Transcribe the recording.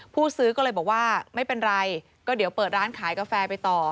ผู้ซื้อก็เลยบอกว่าไม่เป็นไรก็เดี๋ยวเปิดร้านขายกาแฟไปต่อ